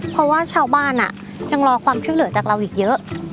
เพราะว่าชาวบ้านยังรอความช่วยเหลือจากเราอีกเยอะ